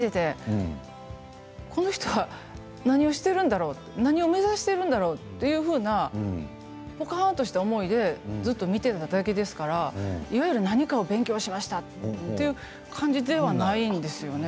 だから毎日見ていてこの人は何をしているんだろう何を目指しているんだろう？というふうなぽかんとした思いでずっと見ていただけですからいわゆる何かを勉強しましたという感じではないんですよね。